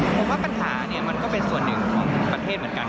ผมว่าปัญหาเนี่ยมันก็เป็นส่วนหนึ่งของประเทศเหมือนกัน